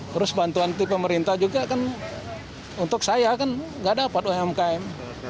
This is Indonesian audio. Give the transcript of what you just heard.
terus bantuan dari pemerintah juga kan untuk saya kan nggak dapat umkm